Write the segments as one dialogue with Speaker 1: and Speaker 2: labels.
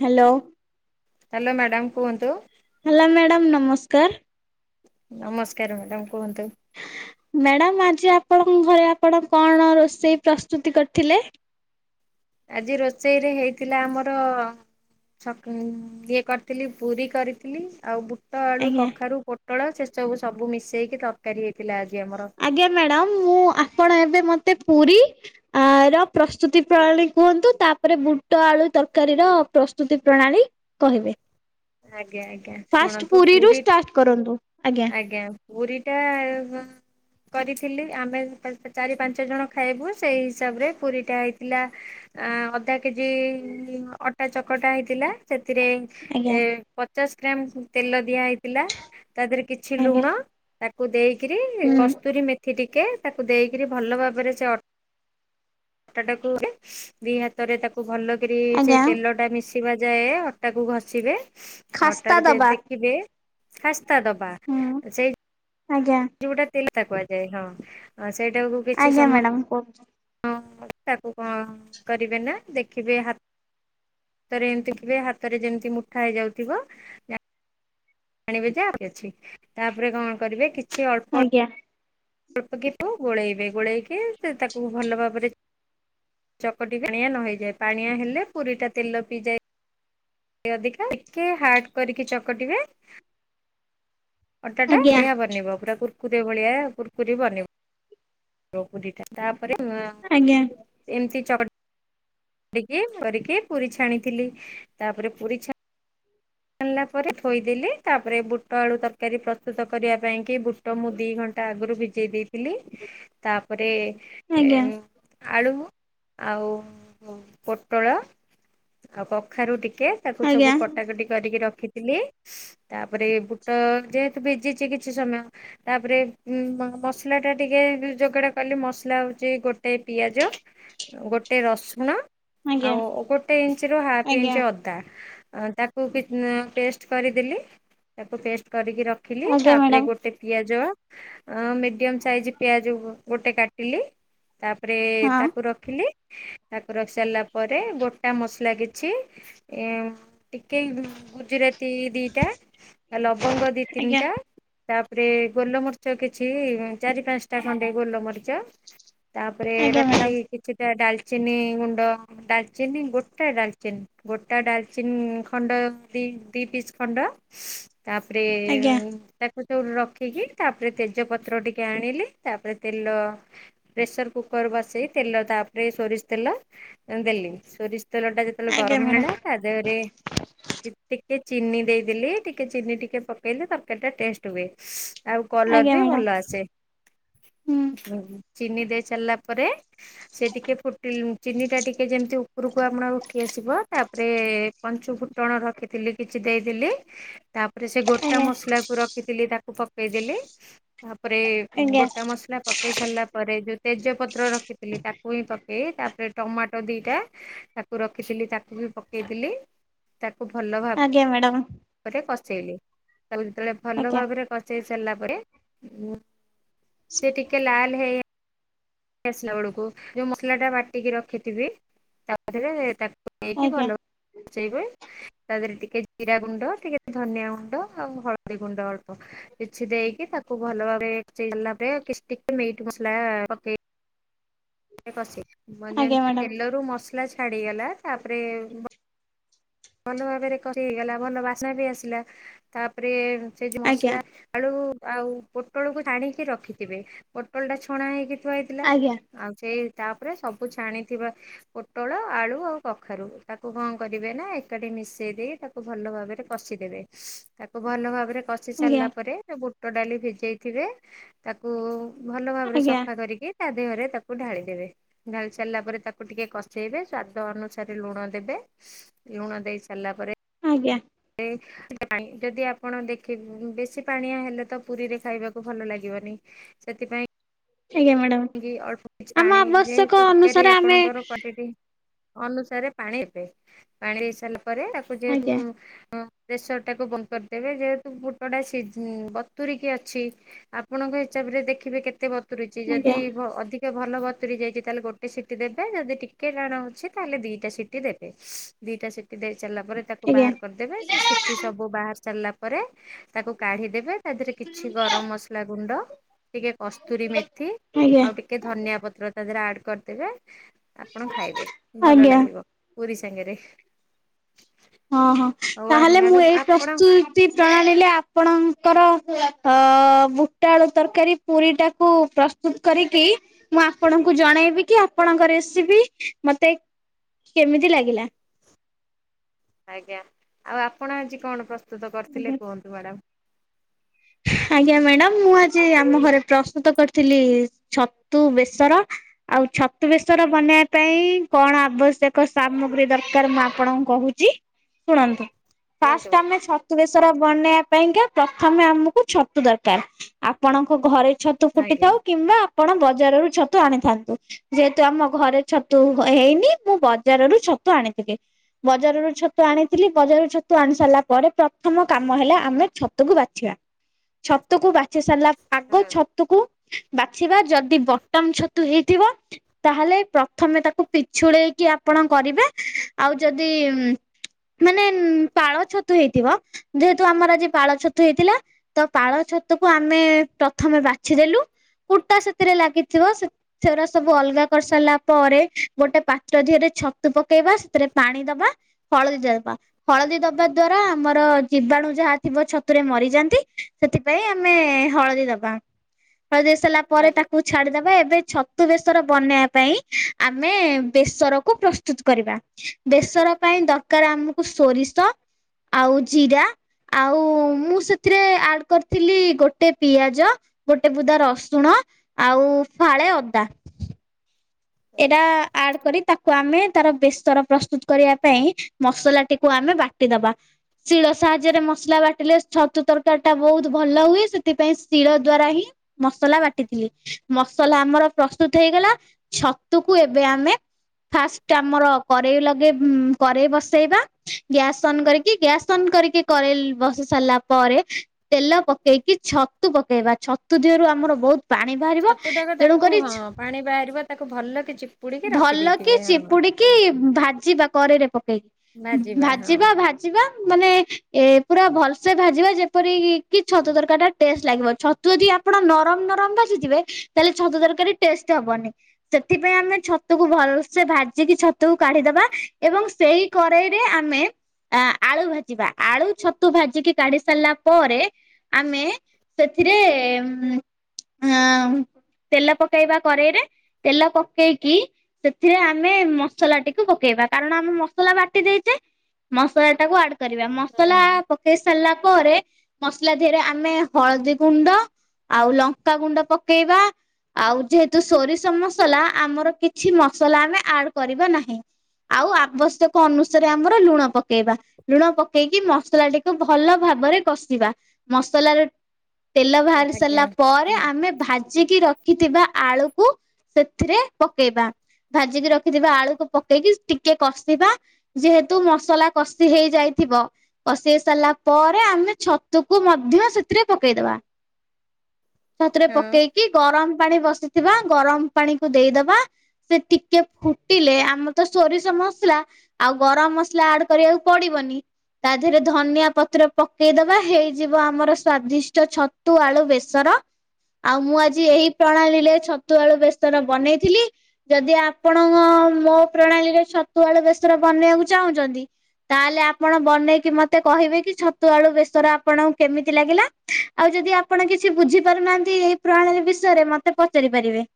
Speaker 1: Hello.
Speaker 2: Hello madam କୁହନ୍ତୁ।
Speaker 1: Hello madam ନମସ୍କାର।
Speaker 2: ନମସ୍କାର ମ୍ୟାଡ଼ାମ କୁହନ୍ତୁ।
Speaker 1: ମ୍ୟାଡାମ ଆଜି ଆପଣଙ୍କ ଘରେ ଆପଣ କଣ ରୋଷେଇ ପ୍ରସ୍ତୁତି କରିଥିଲେ?
Speaker 2: ଆଜି ରୋଷେଇରେ ହେଇଥିଲା ଆମର ଛକ ଇଏ କରିଥିଲି ପୁରୀ କରିଥିଲି ଆଉ ବୁ ଟ ଆଳୁ
Speaker 1: ଆଜ୍ଞା
Speaker 2: କଖାରୁ ପୋଟଳ ସେ ସବୁ ସବୁ ମିଶେଇକି ତରକାରୀ ହେଇଥିଲା ଆଜି ଆମର।
Speaker 1: ଆଜ୍ଞା ମ୍ୟାଡ଼ାମ ମୁଁ ଆପଣ ଏବେ ମତେ ପୁରୀ ଆ ର ପ୍ରସ୍ତୁତି ପ୍ରଣାଳୀ କୁହନ୍ତୁ, ତାପରେ ବୁଟ ଆଳୁ ତରକାରୀର ପ୍ରସ୍ତୁତି ପ୍ରଣାଳୀ କହିବେ?
Speaker 2: ଆଜ୍ଞା ଆଜ୍ଞା
Speaker 1: ଫାଷ୍ଟ
Speaker 2: ଶୁଣନ୍ତୁ,
Speaker 1: ପୁରୀରୁ
Speaker 2: ପୁରୀ
Speaker 1: ଷ୍ଟାର୍ଟ କରନ୍ତୁ।
Speaker 2: ଆଜ୍ଞା। ପୁରିଟା ଆ କରିଥିଲି ଆମେ ଚାରି ପାଞ୍ଚ ଜଣ ଖାଇବୁ ସେଇ ହିସାବରେ ପୁରୀଟା ହେଇଥିଲା। ଅ ଅଧା କେଜି ଅଟା ଚକଟା ହେଇଥିଲା ସେଥିରେ
Speaker 1: [unintelligible]
Speaker 2: ଏ ପଚାଶ ଗ୍ରାମ ତେଲ ଦିଆହଇଥିଲା ତା ଦେହରେ କିଛି
Speaker 1: ଆଜ୍ଞା
Speaker 2: ଲୁଣ ତାକୁ ଦେଇକିରି
Speaker 1: ହୁଁ
Speaker 2: କସ୍ତୁରୀ ମେ ଥି ଟିକେ ତାକୁ ଦେଇକିରି ଭଲ ଭାବରେ ସେ ଅଟା ଟାକୁ ଦିଇ ହା ତ ରେ ତାକୁ ଭଲ କରି ସେଇ
Speaker 1: ଆଜ୍ଞା
Speaker 2: ତେଲ ଟା ମିଶିବା ଯାଏ ଅଟାକୁ ଘଷିବେ।
Speaker 1: ଖାସ୍ତା
Speaker 2: ଅଟାରେ ଯେ
Speaker 1: ଦବା
Speaker 2: ଦେଖିବେ ଖାସ୍ତା ଦବା
Speaker 1: ହୁଁ
Speaker 2: ସେଇ
Speaker 1: ଆଜ୍ଞା।
Speaker 2: ଯୋଉଟା [unintelligible] କୁହାଯାଏ ହଁ ସେଇଟାକୁ
Speaker 1: ଆଜ୍ଞା ମ୍ୟାଡ଼ାାମ କହନ୍ତୁ।
Speaker 2: ହଁ ତାକୁ କଣ କରିବେ ନା ଦେଖିବେ ହା ହାତରେ ଏମିତି ଦେଖିବେ ମୁଠା ହାତ ରେ ଯେମିତି ମୁଠା ହେଇଯାଉଥିବ ଯାଣିବେ ଯେ ଆହୁରି ଅଛି ତାପରେ କଣ କରିବେ କିଛି ଅଳ୍ପ
Speaker 1: ଆଜ୍ଞା।
Speaker 2: ଅଳ୍ପ କି ଗୋଳେଇବେ ଗୋଳେଇକି ସେ ତାକୁ ଭଲ ଭାବରେ ଚକଟି ପାଣିଆ ନ ହେଇଯାଏ ପାଣିଆ ହେଲେ ପୁରୀ ଟା ତେଲ ପିଇଯାଏ। ଅଧିକା ଟିକେ ହାଡ କରିକି ଚକଟିବେ। ଅଟାଟା
Speaker 1: ଆଜ୍ଞା
Speaker 2: ବଢିଆ ବନିବ ପୁରା କୁୁରକୁରି ଭଳିଆ କୁୁରକୁରି ବନିବ। [inaudible] ତା ଉପରେ [inaudible]
Speaker 1: ଆଜ୍ଞା।
Speaker 2: ଏମିତି ଚଢ ଟିକି କରିକି ପୁରୀ ଛାଣିଥିଲି ତାପରେ ପୁରୀ ଛା ଛାଣିଲା ପରେ ଥୋଇଦେଲି ତାପରେ ବୁଟ ଆଳୁ ତରକାରୀ ପ୍ରସ୍ତୁତ କରିବା ପାଇଁ କି ବୁ ବୁଟ ମୁଁ ଦି ଘଣ୍ଟା ଆଗରୁ ଭିଜେଇ ଦେଇଥିଲି ତାପରେ ଏ
Speaker 1: ଆଜ୍ଞା
Speaker 2: ମ ଆଳୁ ଆଉ ପୋଟଳ ଆଉ କଖାରୁ ଟିକେ ତାକୁ ସବୁ
Speaker 1: ଆଜ୍ଞା
Speaker 2: କଟାକଟି କରିକି ରଖିଥିଲି। ତାପରେ ବୁଟ ଯେହେତୁ ଭିଜିଛି କିଛି ସମୟ ତାପରେ ଉ ମସଲା ଟା ଟିକେ ଯୋଗାଡ କଲି ମସଲା ହଉଛି ଗୋଟେ ପିଆଜ ଗୋଟେ ରସୁଣ
Speaker 1: ଆଜ୍ଞା।
Speaker 2: ଆଉ ଗୋଟେ ଇଞ୍ଚରୁ ହାଫ୍
Speaker 1: ଆଜ୍ଞା।
Speaker 2: ଇଞ୍ଚ ଅଦା ଅ ତାକୁ କି ଉଁ ପେଷ୍ଟ କରିଦେଲି ତାକୁ ପେଷ୍ଟ କରିକି ରଖିଲି
Speaker 1: ଆଜ୍ଞା
Speaker 2: ତାପରେ
Speaker 1: ମ୍ୟାଡ଼ାମ
Speaker 2: ଗୋଟେ ପିଆଜ ଅଁ ମିଡିୟମ ସାଇଜ ପିଆଜ ଗୋଟେ କାଟିଲି ତାପ ତାପରେ
Speaker 1: ହଁ।
Speaker 2: ତାକୁ ରଖିଲି। ତାକୁ ରଖି ସାରିଲା ପରେ ଗୋଟା ମସଲା କିଛି ଇମ ଟିକେ ଗୁଜୁରାତି ଦିଟା ଆଉ ଲବଙ୍ଗ ଦି
Speaker 1: ଆଜ୍ଞା
Speaker 2: ତିନିଟା ତାପରେ ଗୋଲମରିଚ କିଛି ଚାରି ପାଞ୍ଚଟା ଖଣ୍ଡେ ଗୋଲମରିଚ। ତାପରେ
Speaker 1: ଆଜ୍ଞା ମ୍ୟାଡ଼ାମ
Speaker 2: ରଖିଲି କି କିଛିଟା ଡାଲଚିନି ଗୁଣ୍ଡ ଡାଲଚିନି ଗୋଟା ଡାଲଚିନି ଗୋଟା ଡାଲଚିନି ଖଣ୍ଡ ଦି ଦି ପିସ୍ ଖଣ୍ଡ ତାପରେ
Speaker 1: ଆଜ୍ଞା
Speaker 2: ତା ସେଥିରୁ ଗୁଟେ ରଖିକି ତାପରେ ତେଜପତ୍ର ଟିକେ ଆଣିଲି ତାପରେ ତେଲ ପ୍ରେସର କୁକର ବସେଇ ତେଲ ତାପରେ ସୋରିଷ ତେଲ ଦେଲି ସୋରିଷ ତେଲଟା ଯେତ ତେବେଳେ
Speaker 1: ଆଜ୍ଞା
Speaker 2: ଗରମ ହେଲା
Speaker 1: ମ୍ୟାଡ଼ାମ
Speaker 2: ତା ଦେହରେ ଟି ଟିକେ ଚିନି ଦେଇଦେଲି ଟିକେ ଚିନି ଟିକେ ପକେଇଲେ ତରକାରୀ ଟା ଟେଷ୍ଟ ହୁଏ। ଆଉ କଲର
Speaker 1: ଆଜ୍ଞା
Speaker 2: ବି
Speaker 1: ମ୍ୟାଡ଼ାମ।
Speaker 2: ଭଲ ଆସେ।
Speaker 1: ହୁଁ।
Speaker 2: ଚିନି ଦେଇ ସାରିଲା ପରେ ସେ ଟିକେ ଫୁଟିଲ ଚିନି ଟା ଟିକେ ଯେମିତି ଉପରୁକୁ ଆମର ଉଠି ଆସିବ ତାପରେ ପଞ୍ଚୁ ଫୁଟଣ ରଖିଥିଲି କିଛି ଦେଇଦେଲି ତାପରେ ସେ ଗୋଟା
Speaker 1: ଆଜ୍ଞା
Speaker 2: ମସଲାକୁ ରଖ ରଖିଥିଲି ତାକୁ ପକେଇଦେଲି ତାପରେ
Speaker 1: ଆଜ୍ଞା
Speaker 2: ଗୋଟା ମସଲା ପକେଇସାରିଲା ପରେ ଯୋଉ ତେଜପତ୍ର ରଖିଥିଲି ତାକୁ ହିଁ ପକେଇ ତାପରେ ଟମାଟୋ ଦିଟା ତାକୁ ରଖିଥିଲି ତାକୁ ବି ପକେଇଦେଲି। ତାକୁ ଭଲ
Speaker 1: ଆଜ୍ଞା ମ୍ୟାଡ଼ାମ
Speaker 2: ଭାବରେ କସେଇଲି ତାକୁ ଯେତେବେଳେ ଭଲ
Speaker 1: ଆଜ୍ଞା
Speaker 2: ଭାବରେ କଚେଇ ସାରିଲା ପରେ ସେ ଟିକେ ଲାଲ ହେଇ ଇଆସିଲା ବେଳକୁ ଯୋଉ ମସଲା ଟା ବାଟିକି ରଖିଥିବି ତାଦିହରେ ତାକୁ ନେଇକି
Speaker 1: ଆଜ୍ଞା
Speaker 2: ଭଲ ସେଇ ବେ ତା ଦେହରେ ଟିକେ ଜିରା ଗୁଣ୍ଡ ଟିକେ ଧନିଆ ଗୁଣ୍ଡ ଆଉ ହଳଦୀ ଗୁଣ୍ଡ ଅଳ୍ପ କିଛି ଦେଇକି ତାକୁ ଭଲ ଭାବରେ ଇଦେଲା ପରେ କିଛି ଟକେ ମିଟ୍ ମସଲା ପକେଇ କଶେ ଯେମତି
Speaker 1: ଆଜ୍ଞା ମ୍ୟାଡ଼ାମ।
Speaker 2: ତେଲରୁ ମସଲା ଛାଡିଗଲା ତାପରେ ଭଲ ଭାବରେ କଷୀ ହେଇଗଲା ଭଲ ବାସ୍ନା ବି ଆସିଲା ତାପରେ ସେ ଯଉ
Speaker 1: ଆଜ୍ଞା
Speaker 2: ମସଲା ଆଳୁ ଆଉ ପୋଟଳକୁ ଛାଣିକି ରଖିଥିବେ ପୋଟଳଟା ଛଣା ହେଇକି ଥୁଆ ହେଇଥିଲା।
Speaker 1: ଆଜ୍ଞା
Speaker 2: ଆଉ ସେଇ ତାପରେ ସବୁ ଛାଣିଥିବା। ପୋଟଳ ଆଳୁ ଆଉ କଖାରୁ ତାକୁ କଣ କରିବେ ନା ଏ ଏକାଠି ମିଶେଇ ଦେଇ ତାକୁ ଭଲ ଭାବରେ କଷିଦେବେ ତାକୁ ଭଲ ଭାବରେ କସ କଷିସାରିଲା ପରେ ଯୋଉ ବୁଟ ଡାଲି ଭିଜେଇଥିବେ ତାକୁ ଭଲ ଭାବରେ
Speaker 1: ଆଜ୍ଞା ଆଜ୍ଞା
Speaker 2: ସଫା କରିକି ତା ଦେହରେ ତାକୁ ଢାଳି ଦେବେ। ଢାଳି ସାରିଲା ପରେ ତାକୁ ଟିକେ କଷେଇବେ ସ୍ଵାଦ ଅନୁସାରେ ଲୁଣ ଦେବେ। ଲୁଣ ଦେଇ ସାରିଲା ପରେ
Speaker 1: ଆଜ୍ଞା।
Speaker 2: ଏ ପାଣି ଯଦି ଆପଣ ଦେଖିବେ ବେଶୀ ପାଣିଆ ହେଲେ ତ ପୁରୀରେ ଖାଇବାକୁ ଭଲ ଲାଗିବନି। ସେଥିପାଇଁ
Speaker 1: ଆଜ୍ଞ ମ୍ୟାଡ଼ାମ।
Speaker 2: ଅଳ୍ପ କିଚ୍
Speaker 1: ଆମ
Speaker 2: ପାଣି
Speaker 1: ଆବଶ୍ୟକ
Speaker 2: ଯେହେତୁ ତରକାରୀ
Speaker 1: ଅନୁସାରେ ଆମେ
Speaker 2: ଆପଣଙ୍କର କ ଅନୁସାରେ ପାଣି ଏବେ ପାଣି ହେଇ ସାରିଲା ପରେ ତାକୁ ଯେହେତୁ
Speaker 1: ଆଜ୍ଞା
Speaker 2: ପ୍ରେସରଟାକୁ ବନ୍ଦ କରିଦେବେ ଯେହେତୁ ବୁଟଟା ସି ବତୁରିକି ଅଛି। ଆପଣଙ୍କ ହିସାବରେ ଦେଖିବେ କେତେ ବତୁରୁଛି ଯଦି
Speaker 1: ଆଜ୍ଞା
Speaker 2: ଅଧିକ ଭଲ ଭତୁରି ଯାଇଛି ତାହେଲେ ଗୋଟେ ସିଟି ଦେବେ ଯଦି ଟିକେ ଟାଣ ହଉଛି ତାହେଲେ ଦିଟା ସିଟି ଦେବେ। ଦିଇଟା ସିଟି ଦେଇ ସାରିଲା ପରେ ତାକୁ
Speaker 1: ଆଜ୍ଞା
Speaker 2: ବାହାର କରିଦେବେ ସେ ସିଟିି ସବୁ ବାହାର ସାରିଲା ପରେ ତାକୁ କାଢିଦେବେ। ତା ଦେହରେ କିଛି ଗରମ ମସଲା ଗୁଣ୍ଡ ଟିକେ କସ୍ତୁରୀ ମେଥି
Speaker 1: ଆଜ୍ଞା
Speaker 2: ଆଉ ଟିକେ ଟିକେ ଧନିଆ ପତ୍ର ତା ଦେହରେ ଆଡ଼୍ କରିଦେବେ ଆପଣ ଖାଇବେ ଭଲ
Speaker 1: ଆଜ୍ଞା।
Speaker 2: ଲାଗିବ। ପୁରି ସାଙ୍ଗେରେ।
Speaker 1: ହଁ ହଁ
Speaker 2: ଆ
Speaker 1: ତାହେଲେ ମୁଁ
Speaker 2: ମ୍ୟାଡ଼ାମ
Speaker 1: ଏଇ
Speaker 2: ଆପଣ
Speaker 1: ପ୍ରସ୍ତୁତ ପ୍ରଣାଳୀରେ ଆପଣଙ୍କର ବୁଟଆଳୁ ତରକାରୀ। ପୁରୀ ଟାକୁ ପ୍ରସ୍ତୁତ କରିକି ମୁଁ ଆପଣଙ୍କୁ ଜଣେଇବି କି ଆପଣଙ୍କ ରେସିପି ମତେ କେମିତି ଲାଗିଲା?
Speaker 2: ଆଜ୍ଞା ଆଉ ଆପଣ ଆଜି କଣ ପ୍ରସ୍ତୁତ କରିଥିଲେ
Speaker 1: ଆଜ୍ଞା।
Speaker 2: କୁହନ୍ତୁ ମ୍ୟାଡ଼ାମ?
Speaker 1: ଆଜ୍ଞା ମ୍ୟାଡାମ ମୁଁ ଆଜି ଆମ ଘରେ ପ୍ରସ୍ତୁତ କରିଥିଲି ଛତୁ ବେସର। ଆଉ ଛତୁ ବେଶର ବନେଇବା ପାଇଁ କଣ ଆବଶ୍ୟକ ସାମଗ୍ରୀ ଦରକାର ମୁଁ ଆପଣଙ୍କୁ କହୁଛି? ଶୁଣନ୍ତୁ ଫାଷ୍ଟ
Speaker 2: କୁହନ୍ତୁ।
Speaker 1: ଆମେ ଛତୁ ବେଶର ବନେଇବା ପାଇଁକା ପ୍ରଥମେ ଆମକୁ ଛତୁ ଦରକାର ଆପଣଙ୍କ ଘରେ ଛତୁ ଫୁଟି
Speaker 2: ଆଜ୍ଞା।
Speaker 1: ଥାଉ କିମ୍ବା ଆପଣ ବଜାରରୁ ଛତୁ ଆଣିଥାନ୍ତୁ। ଯେହେତୁ ଆମ ଘରେ ଛତୁ ହେଇନି ମୁଁ ବଜାରରୁ ଛତୁ ଆଣିଥିଲି। ବଜାରରୁ ଛତୁ ଆଣିଥିଲି ବଜାରରୁ ଛତୁ ଆଣି ସାରିଲା ପରେ ପ୍ରଥମ କାମ ହେଲା ଆମେ ଛତୁକୁ ବାଛିବା। ଛତୁକୁ ବାଛି ସାରିଲା ଆଗ
Speaker 2: ହୁଁ
Speaker 1: ଛ ଛତୁକୁ ବାଛିବା ଯଦି ବଟମ ଛତୁ ହେଇଥିବ। ତାହେଲେ ପ୍ରଥମେ ତାକୁ ପିଛୁଳେଇକି ଆପଣ କରିବେ ଆଉ ଯଦି ମାନେ ପାଳ ଛତୁ ହେଇଥିବ ଯେହେତୁ ଆମର ଆଜି ପାଳ ଛତୁ ହେଇଥିଲା। ତ ପାଳ ଛତୁକୁ ଆମେ ପ୍ରଥମେ ବାଛିଦେଲୁ କୁଟା ସେଥିରେ ଲାଗିଥିବ। ସେଗୁରା ସବୁ ଅଲଗା କରିସାରିଲା ପରେ ଗୋଟେ ପାତ୍ର ଦେିହରେ ଛତୁ ପକେଇବା ସେଥିରେ ପାଣି ଦବା ହଳଦୀ ଦବା ହଳଦୀ ଦବା ଦ୍ଵାରା ଆମର ଜୀବାଣୁ ଯାହା ଥିବ ଛତୁରେ ମରିଯାନ୍ତି। ସେଥିପାଇଁ ଆମେ ହଳଦୀ ଦବା ହଳଦୀ ସାରିଲା ପରେ
Speaker 2: ଆଜ୍ଞା
Speaker 1: ତାକୁ ଛାଡିଦବା ଏବେ ଛତୁ ବେସର ବନେଇବା ପାଇଁ ଆମେ ବେସରକୁ ପ୍ରସ୍ତୁତ କରିବା। ବେସର ପାଇଁ ଦରକାର ଆମକୁ ସୋରିଷ। ଆଉ ଜିରା ଆଉ ମୁଁ ସେ ଆଡ଼ କରିଥିଲି ଗୋଟେ ପିଆଜ ଗୋଟେ ବୁଦା ରସୁଣ। ଆଉ ଫାଳେ ଅଦା। ଏଟା ଆଡ଼ କରି ତାକୁ ଆମେ ତାର ବେସ୍ତର ପ୍ରସ୍ତୁତ କରିବା ପାଇଁ ମସଲା ଟିକୁ ଆମେ ବା ଟି ଦବା। ଶିଳ ସାହାଯ୍ୟରେ ମସଲା ବାଟିଲେ ଛତୁ ତରକାରୀଟା ବୋହୁତ୍ ଭଲ ହୁଏ ସେଥିପାଇଁ ଶିଳ ଦ୍ଵାରା ହିଁ ମସଲା ବାଟିଥିଲି ମସଲା ଆମର ପ୍ରସ୍ତୁତ ହେଇଗଲା। ଛତୁକୁ ଏବେ ଆମେ ଫାଷ୍ଟ ଆମର କରେଇ ଲଗେଇ କରେଇ ବସେଇବା। ଗ୍ୟାସ୍ ଅନ୍ କରିକି ଗ୍ୟାସ୍ ଅନ୍ କରିକି କରେଇ ବସି ସାରିଲା ପରେ ତେଲ ପକେଇକି ଛତୁ ପକେଇବା ଛତୁ ଦିହରୁ ଆମର ବହୁତ ପାଣି ବାହାରିବ
Speaker 2: ଛତୁଟାକୁ
Speaker 1: ତେଣୁ
Speaker 2: ତାକୁ
Speaker 1: କରି
Speaker 2: ହଁ
Speaker 1: ଛ୍
Speaker 2: ପାଣି ବାହାରିବ ତାକୁ ଭଲ କି ଚି
Speaker 1: ଭଲ କି ଚିପୁଡି଼କି ଭାଜିବା କରେଇରେ ପକେଇ ଭାଜିବା ଭା ଜିବା ମାନେ ଏ ପୁରା ଭଲସେ ଭାଜିବା ଯେପରି କି ଛତୁ ତରକାରୀଟା ଟେଷ୍ଟ ଲାଗିବ। ଛ ତୁ ଅଦି ଆପଣ ନରମ ନରମ ଭାଜିଥିବେ ତାହେଲେ ଛତୁ ତରକାରୀ ଟେଷ୍ଟ ହବନି। ସେଥିପାଇଁ ଆମେ ଛତୁକୁ ଭଲସେ ଭାଜିକି ଛତୁକୁ କାଢି଼ଦବା ଏବଂ ସେଇ କରେଇରେ ଆମେ ଆ ଆଳୁ ଭାଜିବା ଆଳୁ ଛତୁ ଭାଜିକି କାଢ଼ି ସାରିଲା ପରେ ଆମେ ସେଥିରେ ଉଁ ଅଁ ତେଲ ପକେଇବା କରେଇରେ ତେଲ ପକେଇକି ସେଥିରେ ଆମେ ମସଲାଟିକୁ ପକେଇବା। କାରଣ ଆମ ମସଲା ବାଟି ଦେଇଚେ। ମସଲାଟାକୁ ଆଡ଼୍ କରିବା ମସଲା
Speaker 2: ହୁଁ
Speaker 1: ପ କେଇ ସାରିଲା ପରେ ମସଲା ଧିଅରେ ଆମେ ହଳଦୀ ଗୁଣ୍ଡ ଆଉ ଲଙ୍କାଗୁଣ୍ଡ ପକେଇବା ଆଉ ଯେହେତୁ ସୋରିଷ ମସ୍ ସଲା ଆମର କିଛି ମସଲା ଆମେ ଆଡ଼୍ କରିବା ନାହିଁ। ଆଉ ଆବଶ୍ୟକ ଅନୁସାରେ ଆମର ଲୁଣ ପକେଇବା। ଲୁଣ ପକେଇକି ମସଲାଟିକୁ ଭଲ ଭାବରେ କଷିବା। ମସଲାର ତେଲ ବାହାରି
Speaker 2: ଆଜ୍ଞା
Speaker 1: ସାରିଲା ପରେ ଆମେ ଭାଜିକି ରଖିଥିବା ଆଳୁକୁ ସେଥିରେ ପକେଇବା ଭାଜିକି ରଖିଥିବା ଆଳୁକୁ ପକେଇକି ଟିକେ କଷିବା। ଯେହେତୁ ମସଲା କଷି ହେଇଯାଇଥିବ। କଷି ହେଇ ସାରିଲା ପରେ ଆମେ ଛତୁକୁ ମଧ୍ୟ ସେଥିରେ ପକେଇଦବା। ଛତୁରେ
Speaker 2: ହଁ।
Speaker 1: ପକେଇକି ଗରମ ପାଣି ବସିଥିବା ଗରମ ପାଣିକୁ ଦେଇଦବା। ସେ ଟିକେ ଫୁଟିଲେ ଆମ ତ ସୋରିଷ ମସଲା ଆଉ ଗରମ ମସଲା ଆଡ଼୍ କରିବାକୁ ପଡ଼ିବନି। ତା ଧିଅରେ ଧନିଆ ପତ୍ର ପକେଇଦବା ହେଇଯିବ ଆମର ସ୍ଵାଦିଷ୍ଟ ଛତୁ ଆଳୁ ବେସର। ଆଉ ମୁଁ ଆଜି ଏହି ପ୍ରଣାଲିଲେ ଛତୁ ଆଳୁ ବେସର ବନେଇଥିଲି। ଯଦି ଆପଣଙ୍କ ମୋ ପ୍ରଣାଳୀରେ ଛତୁ ଆଳୁ ବେସର ବନେଇବାକୁ ଚାହୁଁଚନ୍ତି ତାଲେ ଆପଣ ବନେଇକି ମତେ କହିବେ କି ଛତୁ ଆଳୁ ବେସର ଆପଣଙ୍କୁ କେମିତି ଲାଗିଲା। ଆଉ ଯଦି ଆପଣ କିଛି ବୁଝିପାରୁନାହାନ୍ତି ଏଇ ପ୍ରଣାଳୀ ବିଷୟରେ ମତେ ପଚାରି ପାରିବେ।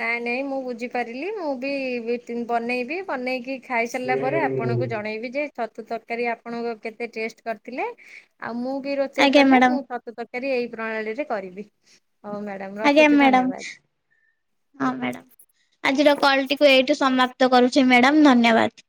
Speaker 2: ନାଇଁ ନାଇଁ ମୁଁ ବୁଝିପାରିଲି ମୁଁ ବି ବି ତିନ୍ ବନେଇବି ବନେଇକି ଖାଇ ସାରିଲା ପରେ ଆପଣଙ୍କୁ ଜଣେଇବି ଯେ ଛତୁ ତରକାରୀ ଆପଣଙ୍କ କେତେ ଟେଷ୍ଟ କରିଥିଲେ। ଆଉ ମୁଁ ବି ରୋଷେଇ
Speaker 1: ଆଜ୍ଞା
Speaker 2: କଲେ
Speaker 1: ମ୍ୟାଡ଼ାମ
Speaker 2: ମୁଁ ଛତୁ ତରକାରୀ ଏଇ ପ୍ରଣାଳୀରେ କରିବି। ହଉ ମ୍ୟା
Speaker 1: ଆଜ୍ଞା
Speaker 2: ରଖୁଚୁ
Speaker 1: ମ୍ୟାଡ଼ାମ
Speaker 2: ଧନ୍ୟବାଦ।
Speaker 1: ହଁ ମ୍ୟାଡାମ୍ ଆଜିର କଲ୍ ଟିକୁ ଏଇଠୁ ସମାପ୍ତ କରୁଛି ମ୍ୟାଡାମ୍ ଧନ୍ୟବାଦ।